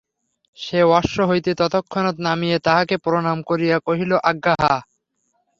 সে অশ্ব হইতে তৎক্ষণাৎ নামিয়া তাঁহাকে প্রণাম করিয়া কহিল আজ্ঞা হাঁ।